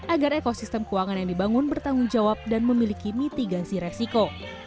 agar ekosistem keuangan yang dibangun bertanggung jawab dan memiliki mitigasi resiko